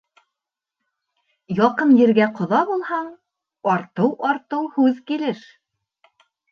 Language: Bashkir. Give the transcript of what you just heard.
Яҡын ергә ҡоҙа булһаң, артыу-артыу һүҙ килер.